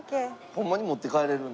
ホンマに持って帰れるんで。